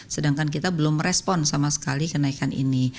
sedangkan kita belum respon sama sekali kenaikan ini